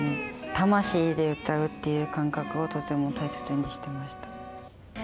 魂で歌うって感覚をとても大切にしてました。